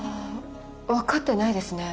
分かってないですね。